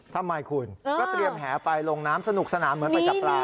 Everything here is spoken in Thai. ทำไมคุณก็เตรียมแหไปลงน้ำสนุกสนานเหมือนไปจับปลา